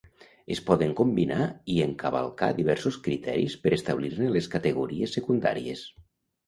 Es poden combinar i encavalcar diversos criteris per establir-ne les categories secundàries.